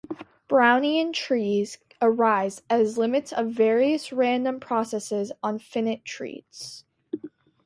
Brownian trees arise as limits of various random processes on finite trees.